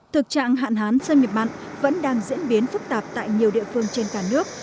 thực trạng hạn hán xâm nhập mặn vẫn đang diễn biến phức tạp tại nhiều địa phương trên cả nước